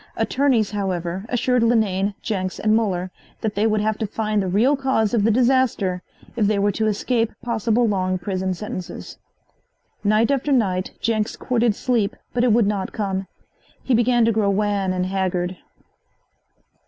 Attorneys, however, assured Linane, Jenks and Muller that they would have to find the real cause of the disaster if they were to escape possible long prison sentences. Night after night Jenks courted sleep, but it would not come. He began to grow wan and haggard.